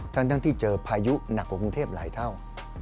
ทั้งที่เจอพายุหนักกว่ากรุงเทพหลายเท่า